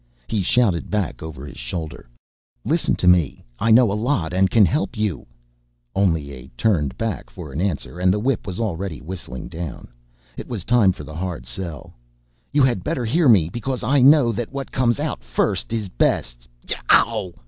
He shouted back over his shoulder. "Listen to me I know a lot and can help you." Only a turned back for an answer and the whip was already whistling down. It was time for the hard sell. "You had better hear me because I know that what comes out first is best. Yeow!"